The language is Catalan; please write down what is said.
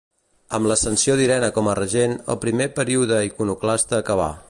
Amb l'ascensió d'Irene com a regent, el primer període iconoclasta acabà.